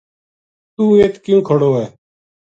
توہ اِت کیوں کھڑو ہے